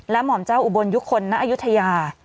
หม่อมเจ้าอุบลยุคลณอายุทยา